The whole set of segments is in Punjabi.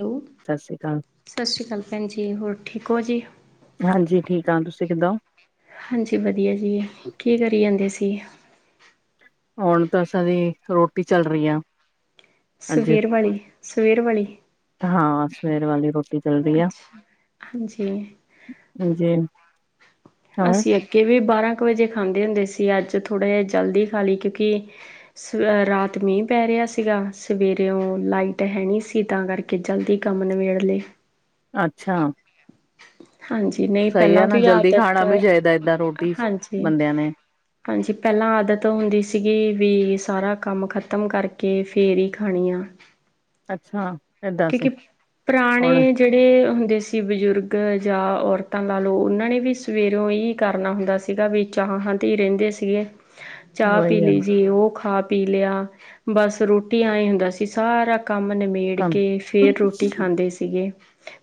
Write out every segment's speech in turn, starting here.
ਹੈਲੋ। ਸਤਿ ਸ਼੍ਰੀ ਕਾਲ। ਸਤਿ ਸ਼੍ਰੀ ਅਕਾਲ ਭੈਣਜੀ ਹੋਰ ਠੀਕ ਹੋਜੀ। ਹਾਂਜੀ, ਠੀਕ ਆ ਤੁਸੀਂ ਕਿੱਦਾ ਓ? ਹਾਂਜੀ, ਵਧੀਆ ਜੀ, ਕੀ ਕਰੀ ਜਾਂਦੇ ਸੀ। ਹੁਣ ਤਾਂ ਸਾਰੀ ਰੋਟੀ ਚੱਲ ਰਹੀ ਆ। ਅੱਜ ਸਵੇਰ ਵਾਲੇ ਸਵੇਰ ਵਾਲੇ, ਹਾਂ, ਸਵੇਰੇ ਵਾਲੀ ਰੋਟੀ, ਚੱਲ ਰਹੀ ਅੱਛਾ, ਹਾਂਜੀ। ਹਾਂਜੀ। ਅਸੀਂ ਅੱਗੇ ਵੀ ਬਾਰਾਂ ਕੁ ਵਜੇ ਖਾਂਦੇ ਹੁੰਦੇ ਸੀ ਅੱਜ ਥੋੜ੍ਹਾ ਜਿਹਾ ਜਲਦੀ ਖਾ ਲਈ ਕਿਉਂਕਿ, ਸਾਰੀ ਰਾਤ ਮੀਂਹ ਪੈ ਰਿਹਾ ਸੀਗਾ ਸਵੇਰੇ ਲਾਈਟ ਹੈ ਨਹੀਂ ਸੀ ਤਾਂ ਕਰਕੇ ਕੇ ਜਲਦੀ ਕੰਮ ਨਿਬੇੜ ਲਏ। ਅੱਛਾ। ਹਾਂਜੀ ਨਹੀਂ ਸਹੀ ਆ ਪਹਿਲਾਂ ਨਾ ਤੋਂ ਹੀ ਜਲਦੀ ਆਦਤ, ਖਾਣਾ ਵੀ ਚਾਹੀਦਾ ਏਦਾਂ ਰੋਟੀ ਹਾਂਜੀ। ਬੰਦਿਆਂ ਨੇ ਹਾਂਜੀ, ਪਹਿਲਾਂ ਆਦਤ ਹੁੰਦੀ ਸੀਗੀ ਵੀ ਸਾਰਾ ਕੰਮ ਖਤਮ ਕਰਕੇ ਫਿਰ ਹੀ ਖਾਣੀ ਆ। ਅੱਛਾ ਏਦਾਂ ਸੀ ਕਿਉਂਕਿ ਪੁਰਾਣੇ ਹੁਣ ਜਿਹੜੇ ਹੁੰਦੇ ਸੀ ਬਜ਼ੁਰਗ ਜਾਂ ਔਰਤਾਂ ਲਾ ਲਓ ਉਹਨਾਂ ਨੇ ਵੀ ਸਵੇਰੋਂ ਇਹੀ ਕਰਨਾ ਹੁੰਦਾ ਸੀਗਾ ਵੀ ਚਾਹਾਂ ਤੇ ਹੀ ਰਹਿੰਦੇ ਸੀਗੇ। ਚਾਹ ਪੀ ਉਹੀ ਆ ਲਈ ਜੀ ਓ ਖਾ ਪੀ ਲਿਆ। ਬਸ ਰੋਟੀ ਐ ਹੁੰਦਾ ਸੀ ਸਾਰਾ ਕੰਮ ਨਮੇੜ ਕੰਮ ਕੇ ਫੇਰ ਰੋਟੀ ਖਾਂਦੇ ਸੀ। ਸੀਗੇ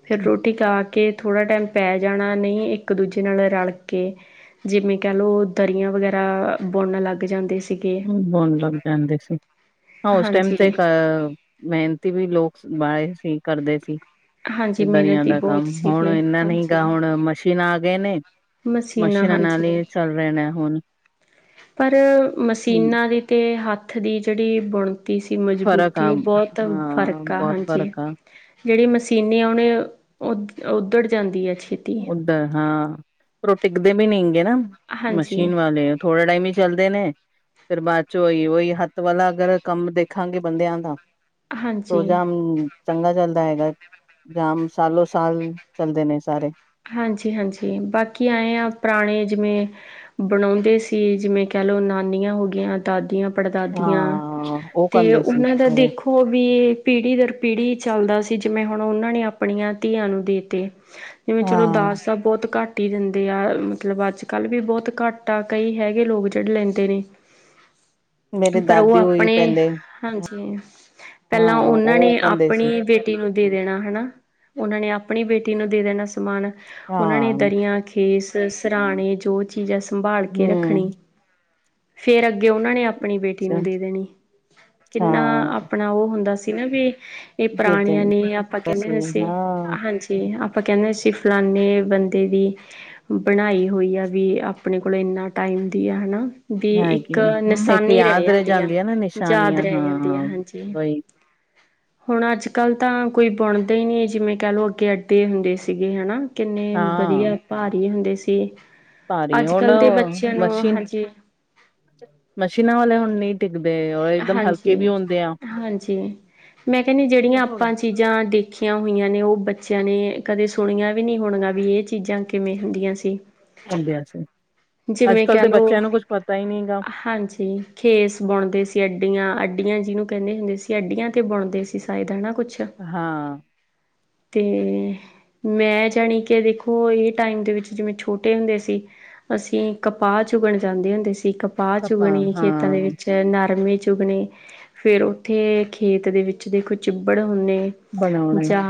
ਫੇਰ ਰੋਟੀ ਖਾ ਕੇ ਥੋੜ੍ਹਾ ਟੈਮ ਪੈ ਜਾਣਾ ਨਈ ਇੱਕ ਦੂਜੇ ਨਾਲ ਰਲ ਕੇ ਜਿਵੇਂ ਕਹਿ ਲਓ ਦਰੀਆਂ ਵਗੈਰਾ ਬੁਣਨ ਲੱਗ ਜਾਂਦੇ ਸੀ। ਬੁਣ ਲੱਗ ਜਾਂਦੇ ਸੀ, ਹਾਂ ਉਸ ਟਾਈਮ ਤੇ ਹਾਂਜੀ ਮਿਹਨਤੀ ਵੀ ਲੋਕ ਵਾਲੇ ਸੀ ਕਰਦੇ ਸੀ। ਹਾਂਜੀ ਇਦਾਂ ਨਹੀਂ ਮਿਹਨਤੀ ਹੁੰਦਾ ਬਹੁਤ ਕੰਮ ਹੁਣ ਸੀਗੇ ਇਨਾ ਨਹੀਂ ਹੇਗਾ ਹਾਂਜੀ ਹੁਣ ਮਸ਼ੀਨਾ ਆ ਗਈਆਂ ਨੇ। ਮਸ਼ੀਨਾਂ ਨਾਲ ਹੀ ਚੱਲ ਰਹੇ ਨੇ ਹੁਣ। ਪਰ ਮਸ਼ੀਨਾਂ ਦੀ ਅਤੇ ਹੱਥ ਦੀ ਜਿਹੜੀ ਬੁਣ ਤੀ ਸੀ ਫ਼ਰਕ ਆ ਮਜ਼ਬੂਤੀ ਉਹ ਬਹੁਤ ਹਾਂ ਫ਼ਰਕ ਆ, ਬਹੁਤ ਹਾਂਜੀ। ਫ਼ਰਕ ਆ ਜਿਹੜੀ ਮਸ਼ੀਨੀ ਆਉਣੀ ਉੱਧੜ ਜਾਂਦੀ ਆ ਛੇਤੀ ਉੱਧਰ ਹਾਂ ਪਰ ਉਹ ਟਿੱਕਦੇ ਵੀ ਨਹੀਂ ਹੇਗੇ ਨਾ ਹਾਂਜੀ ਮਸ਼ੀਨ ਵਾਲੇ, ਥੋੜਾ ਟਾਈਮ ਹੀ ਚੱਲਦੇ ਨੇ। ਫਿਰ ਬਾਅਦ ਚੋਂ ਉਹੀ ਉਹੀ ਹੱਥ ਵਾਲਾ ਅਗਰ ਕੰਮ ਦੇਖਾਂਗੇ ਬੰਦਿਆਂ ਦਾ। ਤ ਹਾਂਜੀ [unintelligible] ਜਮ, ਚੰਗਾ ਚੱਲਦਾ ਹੈਗਾ, ਕੰਮ ਸਾਲੋ ਸਾਲ ਚੱਲਦੇ ਨੇ ਸਾਰੇ। ਹਾਂਜੀ-ਹਾਂਜੀ, ਬਾਕੀ ਆਏ ਹਾਂ ਪੁਰਾਣੇ ਜਿਵੇਂ, ਬਣਾਉਂਦੇ ਸੀ ਜਿਵੇਂ ਕਹਿ ਲਓ ਨਾਨੀਆਂ ਹੋ ਗੀਆਂ। ਦਾਦੀਆਂ ਹਾਂ ਪੜਦਾਦੀਆਂ, ਉਹ ਤੇ ਕਹਿੰਦੇ ਸੀ ਉਹਨਾਂ ਦਾ ਮੇਰੇ ਦੇਖੋ ਉਹ ਵੀ ਪੀੜ੍ਹੀ ਦਰ ਪੀੜ੍ਹੀ ਚੱਲਦਾ ਸੀ ਜਿਵੇਂ ਹੁਣ ਉਹਨਾਂ ਨੇ ਆਪਣੀਆਂ ਧੀਆਂ ਨੂੰ ਦੇਤੇ। ਜਿਵੇਂ ਚਲੋ ਹਾਂ ਦਾਜ ਦਾ ਬਹੁੱਤ ਘੱਟ ਰੋਟੀ ਦਿੰਦੇ ਆ ਮਤਲੱਬ ਅੱਜ ਕੱਲ੍ਹ ਵੀ ਬਹੁਤ ਘੱਟ ਆ ਕਈ ਹੈਗੇ ਲੋਕ ਜਿਹੜੇ ਲੈਂਦੇ ਨੇ। ਮੇਰੇ ਪਰ ਉਹ ਦਾਦੀ ਹੋਈ ਆਪਣੇ, ਪਹਿਲੇ ਹਾਂਜੀ, ਹਾਂ ਪਹਿਲਾਂ ਉਹਨਾਂ ਉਹ ਨੇ ਕਹਿੰਦੇ ਸੀ ਆਪਣੀ ਬੇ ਬੇਟੀ ਨੂੰ ਦੇ ਦੇਣਾ ਹਨਾ, ਉਹਨਾਂ ਨੇ ਆਪਣੀ ਬੇਟੀ ਨੂੰ ਦੇ ਦੇਣਾ ਸਮਾਨ ਉਹਨਾਂ ਨੇ ਹਾਂ ਦਰੀਆ, ਖੇਸ ਸਰਾਣੇ ਜੋ ਚੀਜ਼ਾਂ ਸੰਭਾਲ ਕੇ ਹਮ ਰੱਖਣੀ, ਫਿਰ ਅੱਗੇ ਉਹਨਾਂ ਨੇ ਆਪ ਆਪਣੀ ਬੇਟੀ ਨੂੰ ਦੇ ਦੇਣੀ, ਕਿੰਨਾ ਹਾਂ ਆਪਣਾ ਉਹ ਹੁੰਦਾ ਸੀ ਨਾ ਵੀ, ਇਹ ਦੇ ਪੁਰਾਣੀਆਂ ਦੇਣੀ ਨੀ ਆਪਾਂ ਕਹਿੰਦੇ ਵੈਸੇ ਹਾਂਜੀ ਸੀ, ਹਾਂ ਹਾਂਜੀ ਆਪਾਂ ਕਹਿੰਦੇ ਸੀ, ਤੇ ਫਲਾਨੇ ਬੰਦੇ ਦੀ, ਬਣਾਈ ਹੋਈ ਆ ਵੀ ਆਪਣੇ ਕੋਲ ਇਨਾ ਟਾਈਮ ਦੀ ਆ ਹਨਾ। ਦੀ ਹੈਗੀ ਇੱਕ ਹੂੰ, ਇੱਕ ਨਿਸ਼ਾਨੀ ਰਹਿ ਯਾਦ ਜਾਂਦੀ ਆ, ਨਾ ਯਾਦ ਨਿਸ਼ਾਨੀਆਂ ਰਹਿ ਜਾਂਦੀ ਆ ਹਾਂ ਹਾਂਜੀ। ਵਹੀ ਹੁਣ ਅੱਜ-ਕੱਲ ਤਾਂ ਕੋਈ ਬੁਣਦਾ ਹੀ ਨਹੀ ਜਿਵੇਂ ਕਹਿ ਲਓ ਅੱਗੇ ਅੱਡੇ ਹੁੰਦੇ ਸੀਗੇ ਹਨਾ। ਕਿੰਨੇ ਹਾਂ ਵਧੀਆ ਭਾਰੀ ਹੁੰਦੇ ਸੀ। ਭਾਰੀ ਹੁਣ ਅੱਜ-ਕੱਲ ਦੇ ਬੱਚਿਆਂ ਨੂੰ ਮਸ਼ੀਨ ਹਾਂਜੀੇਂ ਮਸ਼ੀਨਾਂ ਵਾਲੇ ਹੁਣ ਨਹੀਂ ਟਿਕਦੇ ਇਕਦਮ ਹਲਕੇ ਵੀ ਹਾਂਜੀ, ਹੁੰਦੇ ਆ। ਹਾਂਜੀ, ਮੈਂ ਕਹਿੰਨੀ ਜਿਹੜੀਆਂ ਆਪਾਂ ਚ ਚੀਜ਼ਾਂ ਦੇਖੀਆਂ ਹੋਈਆਂ ਨੇ ਉਹ ਬੱਚਿਆਂ ਨੇ ਕਦੇ ਸੁਣੀਆਂ ਵੀ ਨਹੀਂ ਹੋਣੀਆ ਵੀ ਇਹ ਚੀਜ਼ਾਂ। ਕਿਵੇਂ ਹੁੰਦੀਆਂ ਸੀ। ਹੁੰਦੇ ਆ ਸੀ। ਅੱਜ ਜਿਵੇਂ ਕੱਲ ਕਹਿ ਦੇ ਲੋ, ਬੱਚਿਆਂ ਨੂੰ ਕੁੱਝ ਪਤਾ ਹੀ ਨਹੀਂ ਗਾ ਹਾਂਜੀ। ਖੇਸ ਬੁਣਦੇ ਸੀ ਅੱਡੀਆਂ ਅੱਡੀਆਂ ਜਿਹਨੂੰ ਕਹਿੰਦੇ ਹੁੰਦੇ ਸੀ ਅੱਡੀਆਂ ਤੇ ਬੁਣਦੇ ਸੀ ਸਾਇਦ ਹਨਾ ਕੁਛ। ਹਾਂ ਤੇ ਮੈਂ ਜਾਣੀ ਕਿ ਦੇਖੋ ਇਹ ਟਾਈਮ ਦੇ ਵਿੱਚ ਜਿਵੇਂ ਛੋਟੇ ਹੁੰਦੇ ਸੀ। ਅਸੀਂ ਕਪਾਹ ਚੁਗਣ ਜਾਂਦੇ ਹੁੰਦੇ ਸੀ ਕਪਾਹ ਕਪਾਂ ਚੁਗਣ ਖੇਤਾਂ ਦੇ ਹਾਂ ਵਿੱਚ ਨਰਮੇ ਚੁੱਗਣੇ, ਫਿਰ ਉੱਥੇ ਖੇਤ ਦੇ ਵਿੱਚ ਦੇਖੋ ਚਿੱਬੜ ਹੁੰਦੇ। ਬਣਾਉਣਾ ਜਾਂ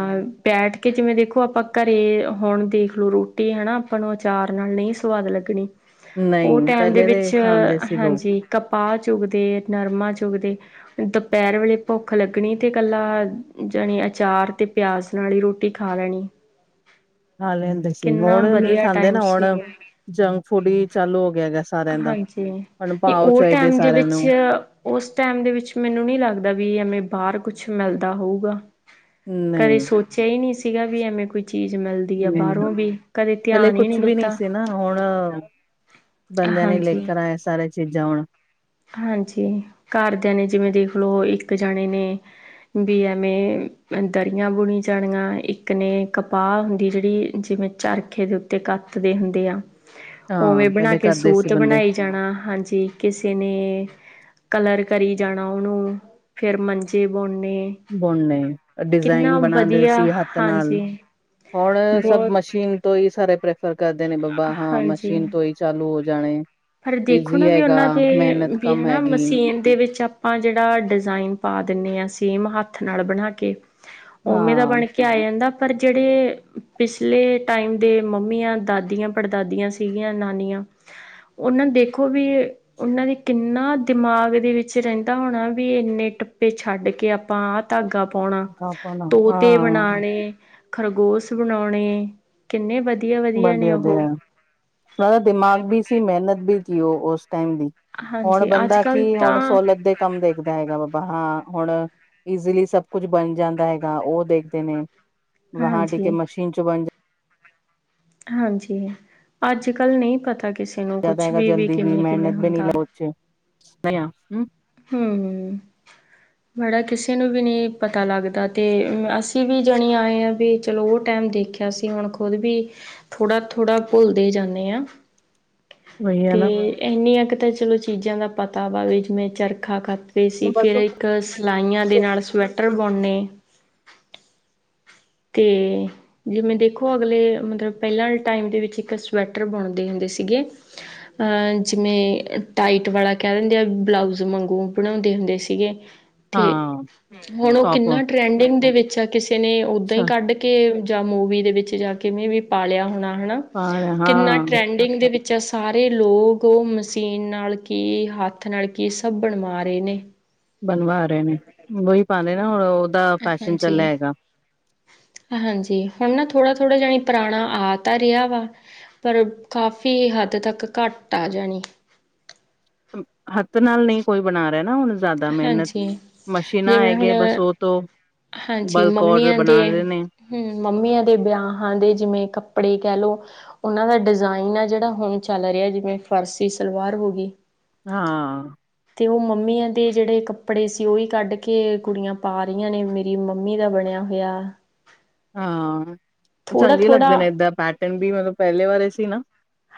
ਬੈਠ ਕੇ ਜਿਵੇਂ ਦੇਖੋ ਆਪਾਂ ਘਰੇ ਹੁਣ ਦੇਖ ਲਓ ਰੋਟੀ ਹਨਾਂ ਆਪਾਂ ਨੂੰ ਅਚਾਰ ਨਾਲ ਨਹੀਂ ਸਵਾਦ ਲੱਗਣੀ। ਉਹ ਨਹੀਂ ਟਾਈਮ ਦੇ ਪਹਿਲੇ ਵਿੱਚ ਖਾਂਦੇ ਸੀ ਲੋਕ ਹਾਂਜੀ ਕਪਾਹ ਚੁਗਦੇ, ਨਰਮਾ ਚੁਗਦੇ। ਦੁਪਹਿਰ ਵੇਲੇ ਭੁੱਖ ਲੱਗਣੀ ਅਤੇ ਇਕੱਲਾ ਜਾਣੀ ਅਚਾਰ ਤੇ ਪਿਆਜ ਨਾਲ ਹੀ ਰੋਟੀ ਖਾ ਲੈਣੀ। ਖਾ ਲੈਂਦੇ ਸੀ ਕਿੰਨਾ ਹੁਣ ਨਹੀਂ ਵਧੀਆ ਖਾਂਦੇ ਟਾਈਮ ਨਾ ਹੁਣ ਸੀ ਜੰਕ ਫੂਡ ਹੀ ਚਾਲੂ ਹੋ ਗਿਆ ਗਾ ਉਹ ਸਾਰਿਆਂ ਦਾ ਹਾਂਜੀ ਹੁਣ ਤੇ ਭਾਓ ਉਹ ਚਾਹੀਦੇ ਟਾਈਮ ਦੇ ਸਾਰਿਆਂ ਵਿੱਚ ਨੂੰ। ਉਸ ਟਾਈਮ ਦੇ ਵਿੱਚ ਮੈਨੂੰ ਨਹੀਂ ਲੱਗਦਾ ਵੀ ਐਵੇਂ ਬਾਹਰ ਕੁੱਛ ਮਿਲਦਾ ਹੋਊਗਾ। ਕਦੇ ਸੋਚਿਆ ਹੀ ਨਹੀਂ ਸੀਗਾ ਵੀ ਐਵੇਂ ਕੋਈ ਚੀਜ਼ ਮਿਲਦੀ। ਆ ਹੂੰ, ਬਾਹਰੋਂ ਵੀ ਕਦੇ ਪਹਿਲੇ ਧਿਆਨ ਹੀ ਕੁਛ ਵੀ ਨਹੀਂ ਦਿੱਤਾ ਸੀ ਨਾ ਹੁਣ ਬੰਦਿਆਂ ਨੇ ਹਾਂਜੀ ਲੇਕਰ ਆਏ ਸਾਰੇ ਚੀਜ਼ਾਂ ਹੁਣ। ਹਾਂਜੀ ਘਰਦਿਆਂ ਨੇ ਜਿਵੇਂ ਦੇਖ ਲਓ ਇੱਕ ਜਣੇ ਨੇ ਵੀ ਐਵੇਂ ਦਰੀਆਂ ਬੁਣੀ ਜਾਣੀਆਂ ਇੱਕ ਨੇ ਕਪਾਹ ਹੁੰਦੀ ਜਿਹੜੀ ਜਿਵੇਂ ਚਰਖੇ ਦੇ ਉੱਤੇ ਕੱਤਦੇ ਹੁੰਦੇ ਆ, ਹਾਂ ਉਵੇਂ ਬਣਾ ਪਹਿਲੇ ਕੇ ਕਰਦੇ ਸੀ ਸੂਤ ਬੰਦੇ ਬਣਾਈ ਜਾਣਾ ਹਾਂਜੀ ਕਿਸ ਕਿਸੇ ਨੇ, ਕਲਰ ਕਰੀ ਜਾਣਾ ਉਹਨੂੰ, ਫਿਰ ਮੰਜੇ ਬੁਣਨੇ। ਬੁਣਨੇ ਡਿਜ਼ਾਇਨ ਕਿੰਨਾ ਬਣਾਉਂਦੇ ਵਧੀਆ ਸੀ ਹੱਥ ਨਾਲ। ਹਾਂਜੀ ਹਣ ਸਭ ਬਹੁਤ ਮਸ਼ੀਨ ਤੋਂ ਹੀ ਸਾਰੇ ਪ੍ਰੈਫਰ ਕਰਦੇ ਨੇ ਬਾਬਾ ਹਾਂ ਹਾਂਜੀ। ਮਸ਼ੀਨ ਤੋਂ ਹੀ ਚਾਲੂ ਹੋ ਜਾਣੇ। ਪਰ ਦੇਖੋ ਈਜ਼ੀ ਨਾ ਵੀ ਹੈਗਾ ਉਹਨਾਂ ਦੇ ਮਿਹਨਤ ਵੀ ਕਮ ਹਨਾ ਹੈਗੀ ਮਸ਼ੀਨ ਦੇ ਵਿੱਚ ਆਪਾਂ ਜਿਹੜਾ ਡਿਜ਼ਾਇਨ ਪਾ ਦਿੰਦੇ ਹਾਂ ਸੇਮ ਹੱਥ ਨਾਲ ਬਣਾ ਕੇ। ਉਮੇ ਦਾ ਹਾਂ ਬਣ ਕੇ ਕਿਹਾ ਆ ਜਾਂਦਾ ਪਰ ਜਿਹੜੇ ਪਿਛਲੇ ਟਾਈਮ ਦੇ ਮੰਮੀਆਂ, ਦਾਦੀਆਂ-ਪੜਦਾਦੀਆਂ ਸੀਗੀਆ ਸੀਗੀਆਂ ਨਾਨੀਆਂ। ਉਹਨਾਂ ਨੂੰ ਦੇਖੋ ਵੀ ਉਹਨਾਂ ਦੇ ਕਿੰਨਾ ਦਿਮਾਗ ਦੇ ਵਿੱਚ ਰਹਿੰਦਾ ਹੋਣਾ ਵੀ ਇੰਨੇ ਟੱਪੇ ਛੱਡ ਕੇ ਆਪਾਂ ਆਹ ਧਾਗਾ ਪਾਉਣਾ, ਹਾਂ ਤੋਤੇ ਬਣਾਉਣੇ, ਖਰਗੋਸ਼ ਬਣਾਉਣੇ। ਕਿੰਨੇ ਵਧੀਆ ਵਧੀਆ ਨੇ ਉਹ ਵਧੀਆ-ਵਧੀਆ, ਉਹ ਦਾ ਦਿਮਾਗ ਵੀ ਸੀ ਮਿਹਨਤ ਵੀ ਸੀ ਉਹ ਉਸ ਟਾਈਮ ਦੀ। ਹੁਣ ਹਾਂਜੀ ਅੱਜ ਬੰਦਾ ਕੱਲ੍ਹ ਕੀ ਹੁਣ ਤਾਂ ਸਹੂਲਤ ਦੇ ਕੰਮ ਦੇਖਦਾ ਹੈਗਾ ਬਾਬਾ ਹਾਂ ਹੁਣ ਈਜ਼ੀਲੀ ਸਭ ਕੁਛ ਬਣ ਜਾਂਦਾ ਹੈਗਾ ਉਹ ਦੇਖਦੇ ਨੇ, ਵਾਂ ਟੀਕੇ ਹਾਂਜੀ ਮਸ਼ੀਨ ਚੋਂ ਬਣ ਜਾਂ ਹਾਂਜੀ ਅੱਜ-ਕੱਲ੍ਹ ਨਹੀਂ ਪਤਾ ਕਿਸੇ ਨੂੰ ਕੁਛ ਵੀ ਵੀ ਕਿਵੇਂ ਕਿਵੇਂ ਹੁੰਦਾ। ਅੱਛਾ ਹੂੰ ਮੜਾ ਕਿਸੇ ਨੂੰ ਵੀ ਨਹੀਂ ਪਤਾ ਲੱਗਦਾ ਤੇ ਅਸੀਂ ਵੀ ਜਾਣੇ ਆਏ ਹਾਂ ਵੀ ਚਲੋ ਉਹ ਟਾਈਮ ਦੇਖ ਦੇਖਿਆ ਸੀ ਹੁਣ ਖੁਦ ਵੀ ਥੋੜ੍ਹਾ-ਥੋੜ੍ਹਾ ਭੁੱਲਦੇ ਜਾਂਨੇ ਆ। ਵਹੀ ਹੈ ਤੇ ਨਾ ਇੰਨੀਆਂ ਕਿ ਤਾਂ ਚਲੋ ਚੀਜ਼ਾਂ ਦਾ ਪਤਾ ਵਾ ਵੀ ਜਿਵੇ ਚਰਖਾ ਕ ਅਤੇ ਅਸੀ ਫਿਰ ਬਸ ਇੱਕ ਸਿਲਾਈਆਂ ਦੇ ਨਾਲ ਸਵੈਟਰ ਬੁਉਂਨਣੇ ਤੇ ਜਿਵੇ ਦੇਖੋ ਅਗਲੇ ਮਤਲਬ ਪਹਿਲਾਂ ਟਾਈਮ ਦੇ ਵਿੱਚ ਇੱਕ ਸਵੈਟਰ ਬੁਣਦੇ ਹੁੰਦੇ ਸੀਗੇ। ਅਹ ਜਿਵੇਂ ਟਾਈਟ ਵਾਲਾ ਕਹਿ ਦਿੰਦੇ ਆ ਬਲਾਊਜ਼ ਮਾਂਗੂ ਬਣਾਉਂਦੇ ਹੁੰਦੇ ਸੀਗੇ। ਤੇ ਹਾਂ ਹੁਣ ਉਹ ਟੋਪ ਕਿੰਨਾ ਟਰੈਂਡਿੰਗ ਦੇ ਵਿੱਚ ਆ ਕਿਸੇ ਨੇ ਓਦਾਂ ਹੀ ਅੱਛਾ ਕੱਢ ਕੇ ਜਾਂ ਮੂਵੀ ਦੇ ਵਿੱਚ ਜਾ ਕੇਵੇ ਵੀ ਪਾਲਿਆ ਹੋਣਾ ਹਨਾ ਪਾ ਰਹੇ ਕਿੰਨਾ ਹਾਂ ਟਰੈਂਡ ਡਿੰਗ ਦੇ ਵਿੱਚ ਆ ਸਾਰੇ ਲੋਕ ਉਹ ਮਸ਼ੀਨ ਨਾਲ ਕੀ ਹੱਥ ਨਾਲ ਕੀ ਸਭ ਬਣਵਾ ਰਹੇ ਨੇ। ਬਣਵਾ ਰਹੇ ਨੇ ਉਹੀ ਪਾਣੇ ਨਾ ਹੁਣ ਉਹਦਾ ਫੈਸ਼ਨ ਚੱਲਿਆ ਹਾਂਜੀ ਹੈਗਾ। ਹਾਂਜੀ ਹੁਣ ਨਾ ਥੋੜ੍ਹਾ- ਥੋੜ੍ਹਾ ਜਾਣੀ ਪੁਰਾਣਾ ਆ ਤਾਂ ਰਿਹਾ ਵਾ। ਪਰ ਕਾਫੀ ਹੱਦ ਤੱਕ ਘੱਟ ਆ ਜਾਣੀ ਹੱਥ ਨਾਲ ਨਹੀਂ ਕੋਈ ਬਣਾ ਰਿਹਾ ਨਾ ਹੁਣ ਜ਼ਿਆਦਾ ਮਿਹਨਤ ਹਾਂਜੀ ਮਸ਼ੀਨਾਂ ਆਏ ਜਿਵੇਂ ਗ ਬਸ ਹੁਣ ਉਹ ਤੋਂ ਬਲਕ ਔਡਰ ਬਣਾ ਰਹੇ ਨੇ। ਹੂੰ ਮੰਮੀਆਂ ਦੇ ਬਿਆਹਾਂ ਦੇ ਜਿਵੇਂ ਕੱਪੜੇ ਕਹਿ ਲਓ। ਉਹਨਾਂ ਦਾ ਡਿਜ਼ਾਇਨ ਆ ਜਿਹੜਾ ਹੁਣ ਚੱਲ ਰਿਹਾ ਜਿਵੇਂ ਫਰਸੀ ਸਲਵਾਰ ਹੋ ਗਈ। ਹਾਂ ਤੇ ਉਹ ਮੰਮੀਆਂ ਤੇ ਜਿਹੜੇ ਕੱਪੜੇ ਸੀ ਉਹੀ ਕੱਢ ਕੇ ਕੁੜੀਆਂ ਪਾ ਰਹੀਆਂ ਨੇ ਮੇਰੀ ਮੰਮੀ ਦਾ ਬਣਿਆ ਹੋਇਆ। ਹਾਂ ਥੋੜਾ ਚੰਗੇ ਥੋੜਾ ਲੱਗਦੇ ਨੇ ਏਦਾਂ ਪੈਟਰਨ ਵੀ ਮਤਲਬ ਪਹਿਲੇ ਵਾਰੇ ਸੀ ਨਾ।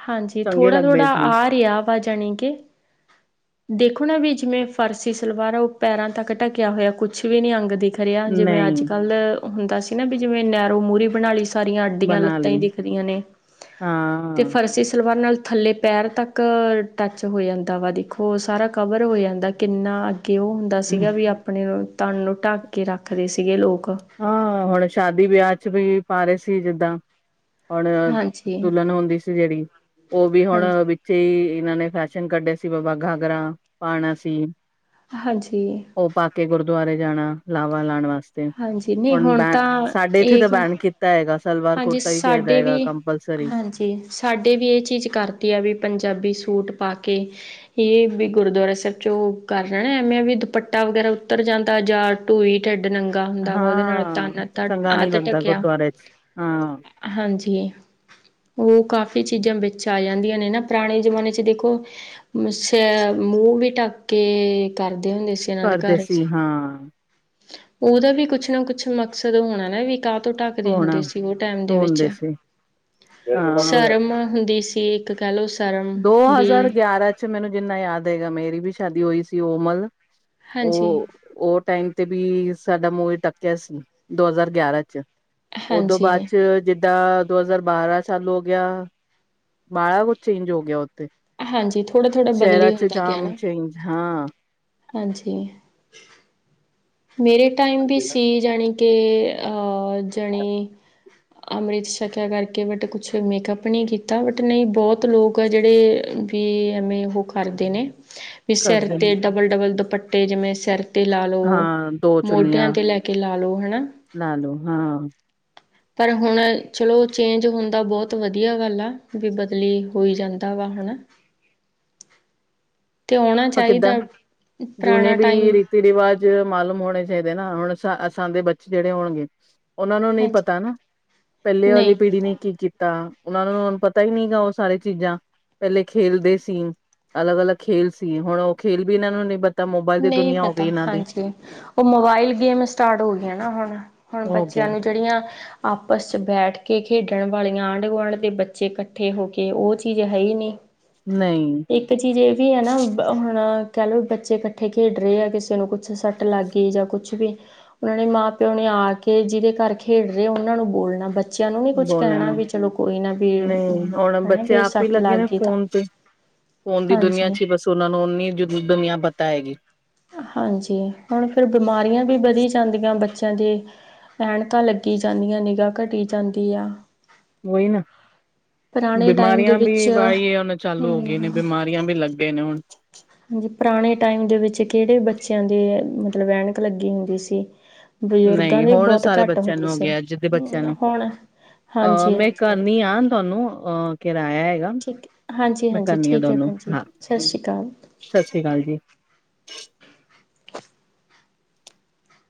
ਹਾਂਜੀ ਚੰਗੇ ਥੋੜਾ- ਲੱਗਦੇ ਥੋੜ੍ਹਾ ਸੀ ਆ ਰਿਹਾ ਵਾ ਜਾਣੀ ਕਿ ਦੇਖੋ ਨਾ ਵਿਚ ਮੈਂ ਫਰਸੀ ਸਲਵਾਰ ਆ ਉਹ ਪੈਰਾਂ ਤੱਕ ਢਕਿਆ ਹੋਇਆ ਕੁਛ ਵੀ ਨੀ ਅੰਗ ਦਿ ਰਿਆ ਜਿਵੇਂ ਨਹੀਂ ਅੱਜ ਕੱਲ ਹੁੰਦਾ ਸੀ ਨਾ ਵੀ ਜਿਵੇਂ ਨੈਰੋ ਮੂਹਰੀ ਬਣਾ ਲਈ ਸਾਰੀਆਂ ਅੱਡੀਆਂ ਬਣਾ ਲੱਤਾਂ ਹੀ ਲਈ ਦਿਖਦੀਆਂ ਨੇ। ਹਾਂ ਤੇ ਫਰਸੀ ਸਲਵਾਰ ਨਾਲ ਥੱਲੇ ਪੈਰ ਤੱਕ ਟੱਚ ਹੋ ਜਾਂਦਾ ਵਾ ਦੇਖੋ ਸਾਰਾ ਕਵਰ ਹੋ ਜਾਂਦਾ ਕਿੰਨਾ ਅੱਗੇ ਉਹ ਹੁੰ ਦਾ ਸੀਗਾ ਵੀ ਆਪਣੇ ਨੂੰ ਤਨ ਨੂੰ ਢੱਕ ਕੇ ਰੱਖਦੇ ਸੀਗੇ ਲੋਕ ਹਾਂ ਹੁਣ ਸ਼ਾਦੀ ਵਿਆਹ 'ਚ ਵੀ ਪਾ ਰਹੇ ਸੀ ਜਿੱਦਾਂ ਹੁਣ ਹਾਂਜੀ ਦੁਲਨ ਹੁੰਦੀ ਸੀ ਜਿਹੜੀ ਉਹ ਵੀ ਹੁਣ ਹਾਂਜੀ ਵੀ ਸ ਇਹਨਾਂ ਨੇ ਫੈਸ਼ਨ ਕੱਢਿਆ ਸੀ ਬਾਬਾ ਘਾਗਰਾ ਪਾਣਾ ਸੀ। ਹਾਂਜੀ ਉਹ ਪਾ ਕੇ ਗੁਰਦੁਆਰੇ ਜਾਣਾ ਲਾਵਾ ਲਾਣ ਵਾਸਤੇ ਹਾਂਜੀ ਨਹੀਂ ਹੁਣ ਬੈ ਤਾਂ ਸਾਡੇ ਇੱਥੇ ਤਾਂ ਇਹ ਬੈਨ ਕੀਤਾ ਹੈਗਾ ਸਲਵਾਰ ਕੁੜਤਾ ਹੀ ਚਾਹੀਦਾ ਹੈਗਾ ਕੰਪਲਸਰੀ ਜ ਸਾਡੇ ਵੀ ਇਹ ਚੀਜ਼ ਕਰਤੀ ਆ ਵੀ ਪੰਜਾਬੀ ਸੂਟ ਪਾ ਕੇ ਇਹ ਵੀ ਗੁਰਦੁਆਰਾ ਸਾਹਿਬ 'ਚੋਂ ਕਰ ਰਹਿਣਾ ਐਵੇਂ ਵੀ ਦੁਪੱਟਾ ਵਗੈਰਾ ਉੱਤਰ ਜਾਂਦਾ ਜਾ ਢੂਈ ਢਿੱਡ ਨੰਗਾ ਹੁੰਦਾ ਵਾ ਉਹਦੇ ਨਾਲ ਹਾਂ ਤਨ ਚੰਗਾ ਨੀ ਅੱਧ ਲੱਗਦਾ ਢੱਕਿਆ। ਗੁਰਦੁਆਰੇ ਚ ਹਾਂ ਹਾਂਜੀ ਉਹ ਕਾਫ਼ੀ ਚੀਜ਼ਾਂ ਵਿੱਚ ਆ ਜਾਂਦੀਆਂ ਨੇ ਨਾ ਪੁਰਾਣੇ ਜਮਾਨੇ 'ਚ ਦੇਖੋ। [inaudible] ਛ ਮੂੰਹ ਵੀ ਢੱਕ ਕੇ ਕਰਦੇ ਹੁੰਦੇ ਸੀ। ਇਹਨਾਂ ਦੇ ਕਰਦੇ ਘਰ 'ਚ ਸੀ ਹਾਂ। ਉਹਦਾ ਵੀ ਕੁਛ ਨਾ ਕੁਛ ਮਕਸਦ ਹੋਣਾ ਨਾ ਵੀ ਤਾਂ ਤੋਂ ਢੱਕਦੇ ਹੋਣਾ ਹੁੰਦੇ ਸੀ ਉਹ ਟਾਈਮ ਦੇ ਵਿੱਚ ਹੋਣਦੇ ਸੀ ਹਾਂ ਸ਼ਰਮ ਹੁੰਦੀ ਸੀ ਇੱਕ ਕਹਿ ਲਓ ਸ਼ਰਮ ਬੀ ਅੱਛਾ ਮੈਨੂੰ ਜਿੰਨਾ ਯਾਦ ਹੈਗਾ ਮੇਰੀ ਵੀ ਸ਼ਾਦੀ ਹੋਈ ਸੀ ਉਹ ਮਲ ਹਾਂਜੀ ਉਹ ਉਹ ਟਾਈਮ ਤੇ ਵੀ ਸਾਡਾ ਮੂੰਹ ਵੀ ਟੱਕਿਆ ਸੀ ਦੋ ਹਜ਼ਾਰ ਗਿਆਰਾਂ 'ਚ ਉਦੋਂ ਹਾਂਜੀ ਬਾਅਦ 'ਚ ਜਿੱਦਾਂ ਦੋ ਹਜ਼ਾਰ ਬਾਰਾਂ ਸਾਲ ਹੋ ਗਿਆ। ਬਾੜਾ ਕੁਛ ਚੇਂਜ ਹੋ ਗਿਆ ਉਥੇ ਹਾਂਜੀ ਥੋੜ੍ਹਾ ਥੋੜ੍ਹਾ ਸ਼ਹਿਰਾਂ ਬਦਲੀ 'ਚ ਹੁੰਦਾ ਗਿਆ ਜਾਮ ਨਾ ਚੇਂਜ ਹਾਂ। ਹਾਂਜੀ ਮੇਰੇ ਟਾਈਮ ਵੀ ਸੀ। ਜਣੀ ਕਿ ਅਹ ਜਣੇ ਅੰਮ੍ਰਿਤ ਛਕਿਆ ਕਰਕੇ ਬਟ ਕੁਛ ਮੇਕਅੱਪ ਨਹੀਂ ਕੀਤਾ ਬਟ ਨਹੀਂ ਬਹੁਤ ਲੋਕ ਆ ਜਿਹੜੇ ਵੀ ਐਵੇਂ ਉਹ ਕਰਦੇ ਨੇ, ਵੀ ਸਿਰ ਕਰਦੇ ਤੇ ਡਬਲ ਡਬਲ ਦੁਪੱਟੇ ਜਿਵੇਂ ਸਿਰ ਤੇ ਲਾ ਲੋ, ਹਾਂ ਦੋ ਮੋਢਿਆਂ ਚੁੰਨੀਆਂ ਤੇ ਲੈ ਕੇ ਲਾ ਲਓ ਹਨਾ ਲਾ ਲੋ ਹਾਂ ਪਰ ਹੁਣ ਚਲੋ ਚੇਂਜ ਹੁੰਦਾ ਬਹੁਤ ਵਧੀਆ ਗੱਲ ਆ ਵੀ ਬਦਲੀ ਹੋਈ ਜਾਂਦਾ ਵਾ ਹਨਾਂ। ਤੇ ਆਉਣਾ ਉਹ ਕਿੱਦਾਂ ਚਾਹੀਦਾ ਜੂਨੇ ਪੁਰਾਣਾ ਟਾਈਮ। ਵੀ ਰੀਤੀ ਰਿਵਾਜ਼ ਮਾਲੂਮ ਹੋਣੇ ਚਾਹੀਦੇ ਨਾ ਹੁਣ ਸਾਾਨੇ ਬੱਚੇ ਜਿਹੜੇ ਹੋਣਗੇ। ਉਹਨਾਂ ਨੂੰ ਨਹੀਂ ਪਤਾ ਹਾਂਜੀ ਨਾ, ਪਹਿਲੇ ਵਾਲੀ ਨਹੀਂ ਪੀੜ੍ਹੀ ਪਤਾ ਨੇ ਕੀ ਕੀਤਾ। ਤਾਂ ਉਹਨਾਂ ਨੂੰ ਪਤਾ ਹੀ ਨਹੀਂ ਗਾ ਉਹ ਸਾਰੇ ਚੀਜ਼ਾਂ। ਪਹਿਲੇ ਖੇਲਦੇ ਸੀ ਅਲੱਗ-ਅਲੱਗ ਖੇਲ ਸੀ ਹੁਣ ਉਹ ਖੇਲ ਵੀ ਇਹਨਾਂ ਨੂੰ ਨੀ ਪਤਾ ਮੋਬਾਇਲ ਦੀ ਨਹੀਂ ਦੁਨੀਆਂ ਹੋ ਪਤਾ ਗਈ ਇਹਨਾਂ ਦੀ ਹਾਂਜੀ। ਉਹ ਮੋਬਾਇਲ ਗੇਮ ਸਟਾਰਟ ਹੋ ਗਈਆਂ ਨਾ ਹੁਣ ਹੁਣ ਹੋ ਬੱਚਿਆਂ ਗਿਆ ਨੂੰ ਜਿਹੜੀਆਂ ਆਪਸ ਚ ਬੈਠ ਕੇ ਖੇਡਣ ਵਾਲੀਆਂ ਆਂਢ ਗੁਆਂਢ ਦੇ ਬੱਚੇ ਇਕੱਠੇ ਹੋ ਕੇ ਉਹ ਚੀਜ਼ ਹੈ ਹੀ ਨਹੀਂ। ਨਹੀਂ ਇੱਕ ਚੀਜ਼ ਇਹ ਵੀ ਹੈ ਨਾ ਹੁਣ ਕਹਿ ਲਓ ਬੱਚੇੱ ਇਕੱਠੇ ਖੇਡ ਰਹੇ ਆ ਕਿਸੇ ਨੂੰ ਕੁੱਛ ਸੱਟ ਲੱਗ ਗਈ ਜਾਂ ਕੁੱਛ ਵੀ ਉਹਨਾਂ ਨੇ ਮਾਂ ਪਿਓ ਨੇ ਆ ਕੇ ਜਿਹਦੇ ਘਰ ਖੇਡ ਰਹੇ ਉਹਨਾਂ ਨੂੰ ਬੋਲਣਾ ਬੱਚੇ ਬੱਚਿਆਂ ਨੂੰ ਨੀ ਕੁਛ ਕਹਿਣਾ ਬੋਲਣ ਵੀ ਚਲੋ ਕੋਈ ਨਾ ਵੀ, ਨਹੀਂ ਹੁਣ ਹਨਾ ਵੀ ਸੱਟ ਲੱਗ ਗਈ ਤਾਂ। ਉਹ ਦੀ ਦੁਨੀਆਂ ਹਾਂਜੀ ਚ ਬਸ ਉਹਨਾ ਨੂੰ ਓਨੀ ਦੁਨੀਆਂ ਪਤਾ ਹੈਗੀ। ਹਾਂਜੀ ਹੁਣ ਫਿਰ ਬਿਮਾਰੀਆਂ ਵੀ ਵਧੀ ਜਾਂਦੀਆਂ ਬੱਚਿਆਂ ਦੀ। ਐਨਕਾਂ ਲੱਗੀ ਜਾਂਦੀਆਂ ਨਿਗਾ ਘਟੀ ਜਾਂਦੀ ਆ। ਉਹੀ ਨਾ, ਪੁਰਾਣੇ ਟਾਈਮ ਦੇ ਬਿਮਾਰੀਆਂ ਵੀ ਵਿੱਚ ਬੀ ਉਹ ਚਾਲੂ ਹੋ ਹਮ ਗਈ ਨੇ ਬਿਮਾਰੀ ਰੀਆਂ ਵੀ ਲੱਗੇ ਨੇ ਹੁਣ। ਹਾਂਜੀ ਪੁਰਾਣੇ ਟਾਈਮ ਦੇ ਵਿੱਚ ਕਿਹੜੇ ਬੱਚਿਆਂ ਦੇ ਮਤਲਬ ਐਨਕ ਲੱਗੀ ਹੁੰਦੀ ਸੀ। ਬਜ਼ੁਰਗਾਂ ਨਹੀਂ ਦੀ ਹੁਣ ਬਹੁਤ ਸਾਰੇ ਘੱਟ ਬੱਚਿਆਂ ਹੁੰਦੀ ਨੂੰ ਹੋ ਸੀ। ਗਿਆ ਜਿਦੇ ਬੱਚਿਆਂ ਨੂੰ ਹੁਣ ਅਹ ਹਾਂਜੀ ਮੈਂ ਹਾਂਜੀ ਕਰਨੀ ਆ ਤੁਹਾਨੂੰ ਅਹ ਕਿਰਾਇਆ ਹੈਗਾ। ਠੀਕ ਹੈ, ਮੈਂ ਹਾਂਜੀ-ਹਾਂਜੀ ਕਰਨੀ ਆ ਠੀਕ ਹੈ ਤੁਹਾਨੂੰ ਭੈਣ ਜੀ ਹਾਂ ਸਤਿ ਸ਼੍ਰੀ ਅਕਾਲ। ਸਤਿ ਸ਼੍ਰੀ ਅਕਾਲ ਜੀ।